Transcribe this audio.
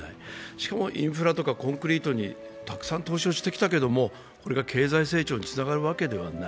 しかもインフラとかコンクリートにたくさん投資をしてきたけれどこれが経済成長につながるわけではない。